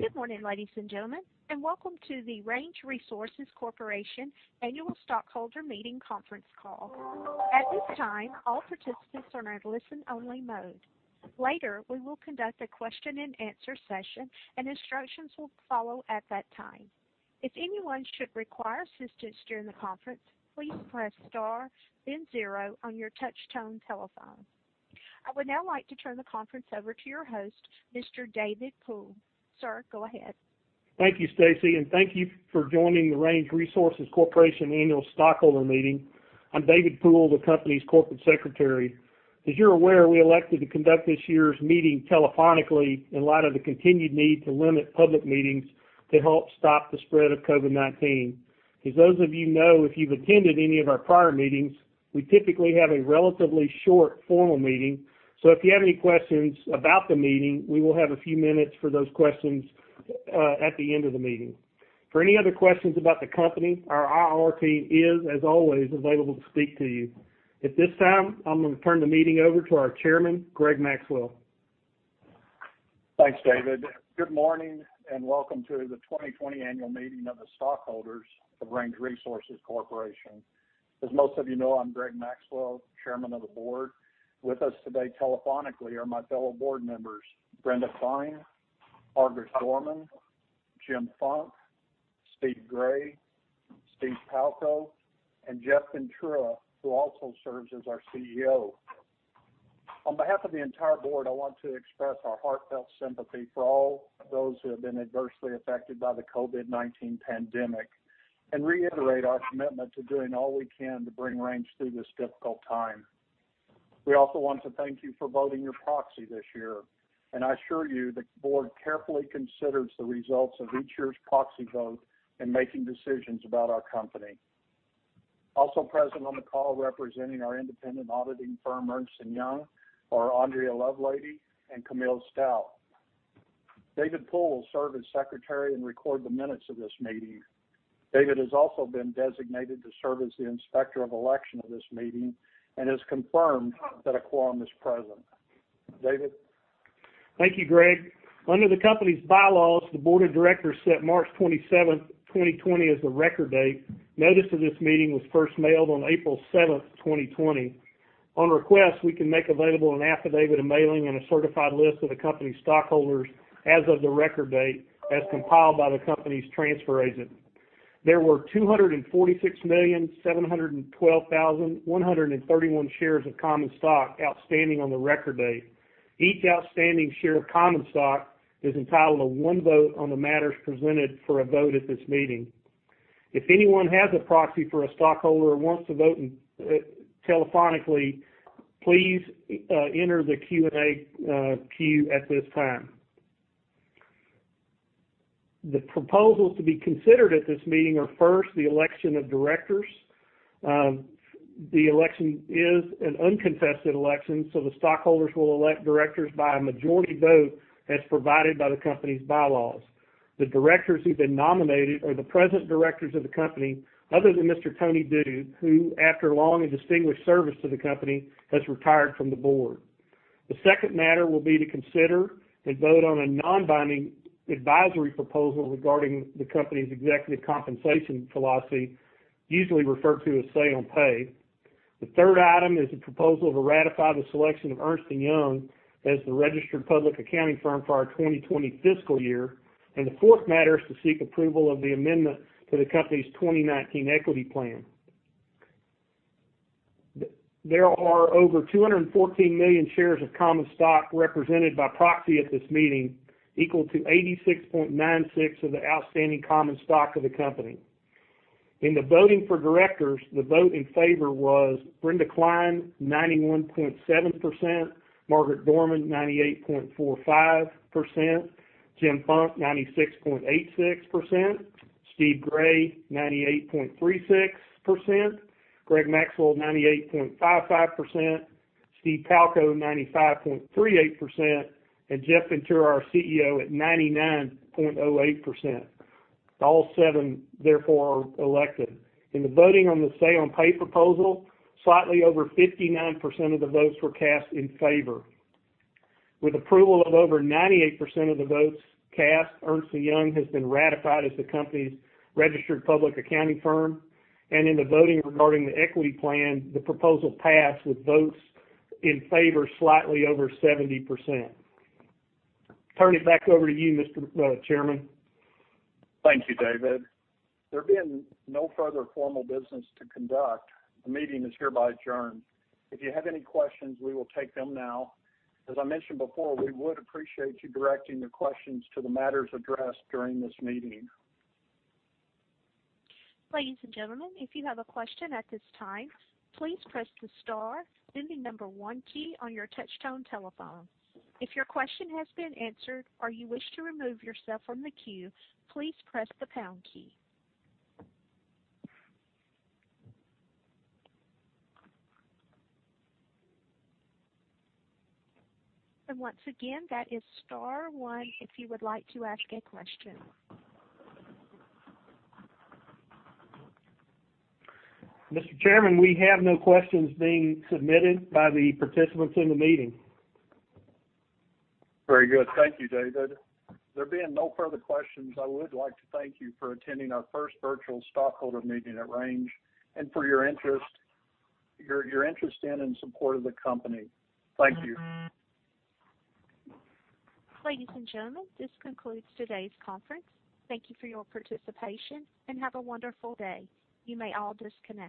Good morning, ladies and gentlemen, and welcome to the Range Resources Corporation Annual Stockholder Meeting conference call. At this time, all participants are in a listen-only mode. Later, we will conduct a question and answer session, and instructions will follow at that time. If anyone should require assistance during the conference, please press star then zero on your touch-tone telephone. I would now like to turn the conference over to your host, Mr. David Poole. Sir, go ahead. Thank you, Stacy, and thank you for joining the Range Resources Corporation Annual Stockholder Meeting. I'm David Poole, the company's corporate secretary. As you're aware, we elected to conduct this year's meeting telephonically in light of the continued need to limit public meetings to help stop the spread of COVID-19. As those of you know, if you've attended any of our prior meetings, we typically have a relatively short formal meeting. If you have any questions about the meeting, we will have a few minutes for those questions at the end of the meeting. For any other questions about the company, our IR team is, as always, available to speak to you. At this time, I'm going to turn the meeting over to our Chairman, Greg Maxwell. Thanks, David. Good morning and welcome to the 2020 annual meeting of the stockholders of Range Resources Corporation. As most of you know, I'm Greg Maxwell, Chairman of the Board. With us today telephonically are my fellow board members, Brenda Cline, Margaret Dorman, Jim Funk, Steve Gray, Steffen Palko, and Jeff Ventura, who also serves as our CEO. On behalf of the entire board, I want to express our heartfelt sympathy for all those who have been adversely affected by the COVID-19 pandemic and reiterate our commitment to doing all we can to bring Range through this difficult time. We also want to thank you for voting your proxy this year, and I assure you the board carefully considers the results of each year's proxy vote in making decisions about our company. Also present on the call representing our independent auditing firm, Ernst & Young, are Andrea Lovelady and Camille Stout. David Poole will serve as secretary and record the minutes of this meeting. David has also been designated to serve as the Inspector of Election of this meeting and has confirmed that a quorum is present. David? Thank you, Greg. Under the company's bylaws, the board of directors set March 27th, 2020 as the record date. Notice of this meeting was first mailed on April 7th, 2020. On request, we can make available an affidavit of mailing and a certified list of the company stockholders as of the record date as compiled by the company's transfer agent. There were 246,712,131 shares of common stock outstanding on the record date. Each outstanding share of common stock is entitled to one vote on the matters presented for a vote at this meeting. If anyone has a proxy for a stockholder or wants to vote telephonically, please enter the Q&A queue at this time. The proposals to be considered at this meeting are, first, the election of directors. The election is an uncontested election, so the stockholders will elect directors by a majority vote as provided by the company's bylaws. The directors who've been nominated are the present directors of the company, other than Mr. Tony Gaudlip, who, after long and distinguished service to the company, has retired from the board. The second matter will be to consider and vote on a non-binding advisory proposal regarding the company's executive compensation philosophy, usually referred to as say on pay. The third item is a proposal to ratify the selection of Ernst & Young as the registered public accounting firm for our 2020 fiscal year, and the fourth matter is to seek approval of the amendment to the company's 2019 Equity Plan. There are over 214 million shares of common stock represented by proxy at this meeting, equal to 86.96% of the outstanding common stock of the company. In the voting for directors, the vote in favor was Brenda Cline, 91.7%, Margaret Dorman, 98.45%, Jim Funk, 96.86%, Steve Gray, 98.36%, Greg Maxwell, 98.55%, Steve Palko, 95.38%, and Jeff Ventura, our CEO, at 99.08%. All seven therefore are elected. In the voting on the say on pay proposal, slightly over 59% of the votes were cast in favor. With approval of over 98% of the votes cast, Ernst & Young has been ratified as the company's registered public accounting firm, and in the voting regarding the equity plan, the proposal passed with votes in favor slightly over 70%. Turn it back over to you, Mr. Chairman. Thank you, David. There being no further formal business to conduct, the meeting is hereby adjourned. If you have any questions, we will take them now. As I mentioned before, we would appreciate you directing the questions to the matters addressed during this meeting. Ladies and gentlemen, if you have a question at this time, please press the star then the number one key on your touch-tone telephone. If your question has been answered or you wish to remove yourself from the queue, please press the pound key. Once again, that is star one if you would like to ask a question. Mr. Chairman, we have no questions being submitted by the participants in the meeting. Very good. Thank you, David. There being no further questions, I would like to thank you for attending our first virtual stockholder meeting at Range and for your interest in and support of the company. Thank you. Ladies and gentlemen, this concludes today's conference. Thank you for your participation, and have a wonderful day. You may all disconnect.